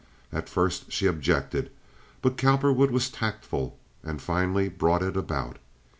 At first she objected; but Cowperwood was tactful and finally brought it about.